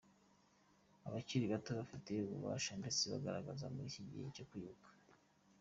abakiri bato bafite mu gufasha ndetse bagaragaza muri iki gihe cyo kwibuka.